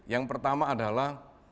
yang pertama adalah